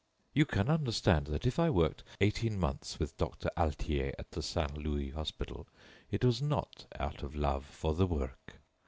"You can understand that if I worked eighteen months with Doctor Altier at the Saint Louis hospital, it was not out of love for the work.